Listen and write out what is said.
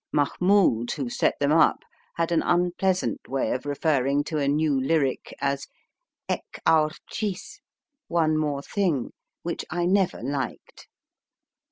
Mahmoud, who set them up, had an unpleasant way of referring to a new lyric as Ek aur cliiz one more thing which I never liked.